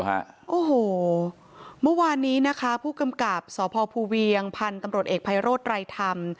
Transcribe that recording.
โอ้โหเมื่อวานนี้นะคะผู้กำกับสพภูเวียงพันธุ์ตำรวจเอกภัยโรธไรธรรม